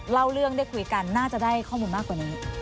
เล่าเรื่องได้คุยกันน่าจะได้ข้อมูลมากกว่านี้